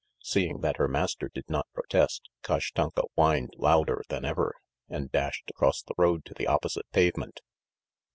Seeing that her master did not protest, Kashtanka whined louder than ever, and dashed across the road to the opposite pavement.